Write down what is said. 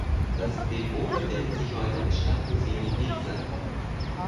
Das Depot befindet sich heute im Stadtmuseum Riesa.